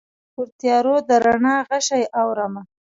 پرتیارو د رڼا غشي اورومه